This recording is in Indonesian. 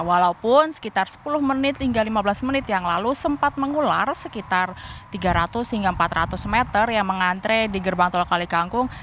walaupun sekitar sepuluh menit hingga lima belas menit yang lalu sempat mengular sekitar tiga ratus hingga empat ratus meter yang mengantre di gerbang tol kalikangkung